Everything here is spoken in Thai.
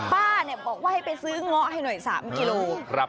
ป้าเนี่ยบอกว่าให้ไปซื้อง้อให้หน่อย๓กิโลกรัม